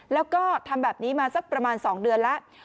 แล้วก็ทำแบบนี้มาสักประมาณ๒เดือนแล้ว